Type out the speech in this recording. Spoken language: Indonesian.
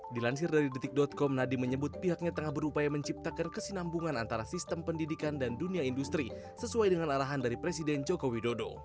dilansir dari detik com nadiem menyebut pihaknya tengah berupaya menciptakan kesinambungan antara sistem pendidikan dan dunia industri sesuai dengan arahan dari presiden joko widodo